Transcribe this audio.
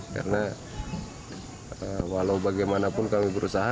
karena walaubagaimanapun kami berusaha